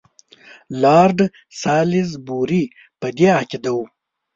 لارډ سالیزبوري په دې عقیده وو.